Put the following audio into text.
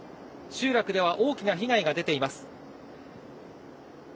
集落では大きな被害が出ています。